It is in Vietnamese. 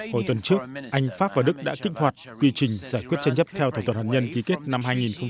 hồi tuần trước anh pháp và đức đã kích hoạt quy trình giải quyết tranh chấp theo thỏa thuận hạt nhân ký kết năm hai nghìn một mươi năm